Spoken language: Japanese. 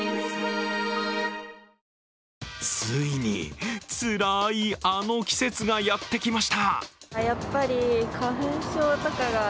ついに、つらいあの季節がやってきました。